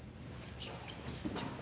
ちょっと。